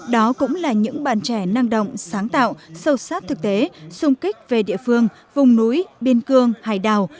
đó cũng là những bạn trẻ năng động sáng tạo sâu sát thực tế xung kích về địa phương vùng núi biên cương hải đảo